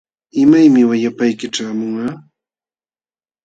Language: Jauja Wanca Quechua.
¿Imaymi wayapayki ćhaamunqa?